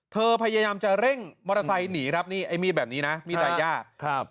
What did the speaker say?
พยายามจะเร่งมอเตอร์ไซค์หนีครับนี่ไอ้มีดแบบนี้นะมีดไดย่าครับ